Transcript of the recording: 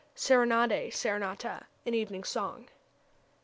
] Serenade, serenata an evening song.